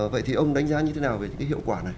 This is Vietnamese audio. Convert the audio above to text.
vậy thì ông đánh giá như thế nào về những cái hiệu quả này